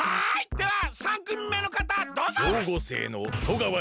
では３くみめのかたどうぞ！